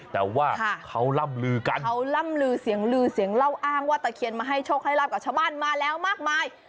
แต่ว่าเขาล่ำลือกันเขาล่ำลือเสียงลือเสียงเล่าอ้างว่าตะเคียนมาให้โชคให้ราบกับชาวบ้านมาแล้วมากมาย